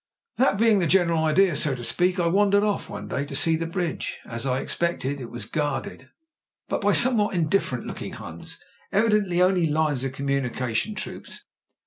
^That being the general idea, so to speak, I wan dered off one day to see the bridge. As I expected, it was guarded, but by somewhat indifferent looking Huns — evidently only lines of communication troops.